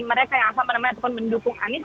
mereka yang sama sama menemani atau mendukung anies